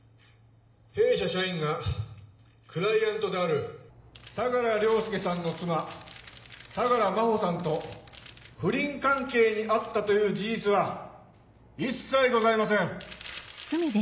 弊社社員がクライアントである相良凌介さんの妻相良真帆さんと不倫関係にあったという事実は一切ございません。